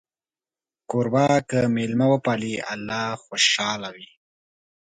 کوربه که میلمه وپالي، الله خوشحاله وي.